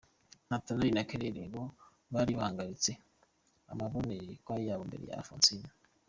Nathalie na Claire bo, bari barahagaritse amabonekerwa yabo mbere ya Alphonsine.